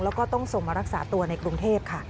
แล้วก็ต้องส่งมารักษาตัวในกรุงเทพค่ะ